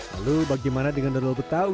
lalu bagaimana dengan dodol betawi